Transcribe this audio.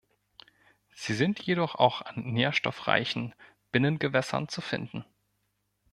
Sie sind jedoch auch an nährstoffreichen Binnengewässern zu finden.